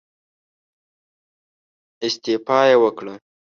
استعفا يې وکړه.